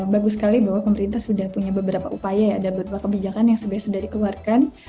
bagus sekali bahwa pemerintah sudah punya beberapa upaya ya ada beberapa kebijakan yang sebenarnya sudah dikeluarkan